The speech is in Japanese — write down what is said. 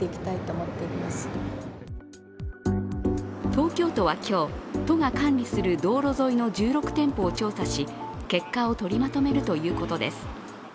東京都は今日、都が管理する道路沿いの１６店舗を調査し、結果を取りまとめるということです。